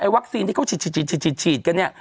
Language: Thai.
ไอ้วัคซีนที่เขาฉีดฉีดฉีดกัน